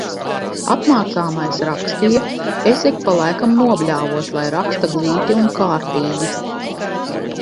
Apmācāmais rakstīja, es ik pa laikam nobļāvos, lai raksta glīti un kārtīgi.